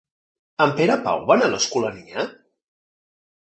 El Perepau va anar a l'Escolania?